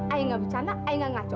ayah nggak bercanda ayah nggak ngaco